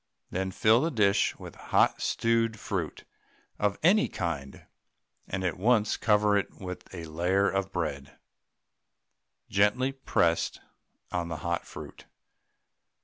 Then fill the dish with hot stewed fruit of any kind, and at once cover it with a layer of bread, gently pressed on the hot fruit.